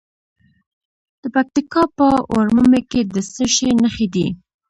د پکتیکا په ورممی کې د څه شي نښې دي؟